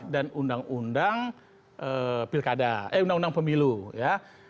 dan undang undang pilkada eh undang undang pemilu ya